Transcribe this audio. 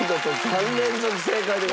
３連続正解でございます。